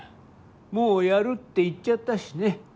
もうやるって言っちゃったしね。